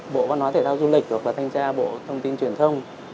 bộ văn hóa thể thao du lịch hoặc là thanh tra bộ thông tin truyền thông